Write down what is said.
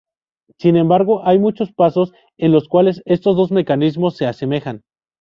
Sin embargo, hay muchos pasos en los cuales estos dos mecanismos se asemejan.